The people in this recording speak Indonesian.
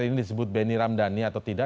ini disebut benny ramdhani atau tidak